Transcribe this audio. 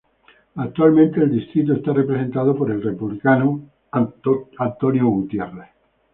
Actualmente el distrito está representado por el Republicano Jack Kingston.